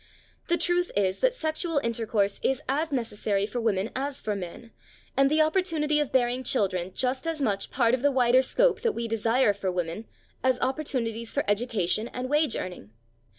The truth is that sexual intercourse is as necessary for women as for men, and the opportunity of bearing children just as much part of the wider scope that we desire for women as opportunities for education and wage earning.